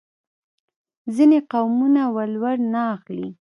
ځینې قومونه ولور نه اخلي.